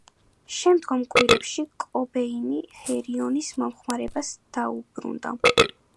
შემდგომ კვირებში კობეინი ჰეროინის მოხმარებას დაუბრუნდა.